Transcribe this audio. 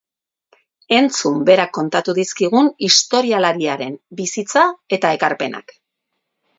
Entzun berak kontatu dizkigun historialarien bizitza eta ekarpenak.